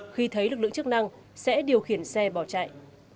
khi thấy lực lượng chức năng sẽ điều khiển xe bỏ chạy